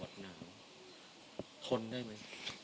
ทนได้ไหม